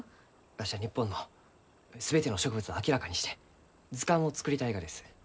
わしは日本の全ての植物を明らかにして図鑑を作りたいがです。